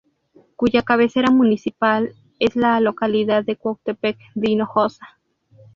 Cuya cabecera municipal es la localidad de Cuautepec de Hinojosa.